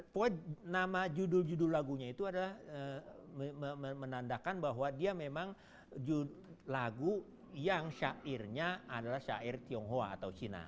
poin nama judul judul lagunya itu adalah menandakan bahwa dia memang lagu yang syairnya adalah syair tionghoa atau cina